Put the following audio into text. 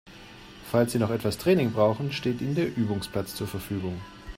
Falls Sie noch etwas Training brauchen, steht Ihnen der Übungsplatz zur Verfügung.